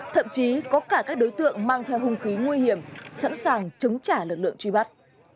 thậm chí có cả các đối tượng mang theo hung khí nguy hiểm sẵn sàng chống trả lực lượng truy bắt